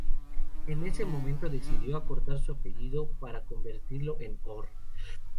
En ese momento decidió acortar su apellido para convertirlo en ""Orr"".